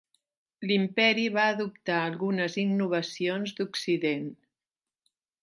L'Imperi va adoptar algunes innovacions d'Occident.